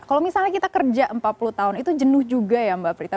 kalau misalnya kita kerja empat puluh tahun itu jenuh juga ya mbak prita